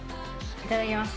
いただきます。